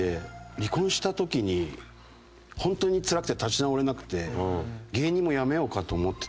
離婚した時に本当につらくて立ち直れなくて芸人も辞めようかと思ってたぐらい。